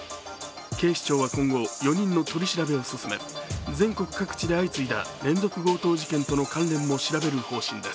警視庁は今後、４人の取り調べを進め、全国各地で相次いだ連続強盗事件との関連も調べる方針です。